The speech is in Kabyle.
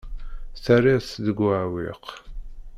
Terriḍ-t deg uɛewwiq.